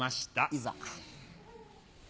いざ。